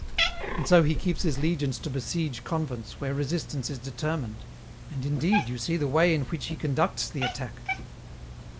" And so he keeps his legions to besiege convents where resistance is determined. And indeed, you see the way in which he conducts the attack."